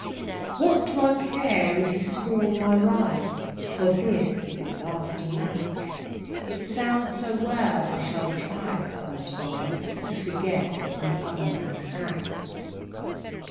What do I care if you scorn my rime? For this is its aftermath; It sounds so well I shall try, (sometime,) To "forget what the other man hath!"